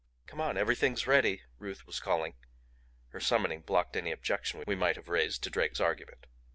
"Come on; everything's ready," Ruth was calling; her summoning blocked any objection we might have raised to Drake's argument.